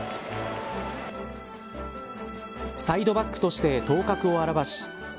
サイドバックとして頭角を現し